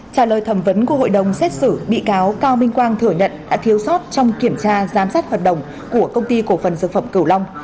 trả lời thẩm vấn của hội đồng xét xử bị cáo cao minh quang thừa nhận đã thiếu sót trong kiểm tra giám sát hoạt động của công ty cổ phần dược phẩm cửu long